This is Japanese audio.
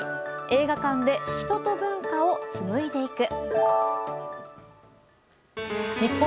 映画館で人と文化を紡いでいく。